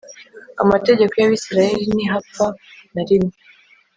Amategeko y Abisirayeli ntihapfa na rimwe